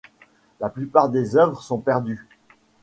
La plupart des œuvres sont perdues.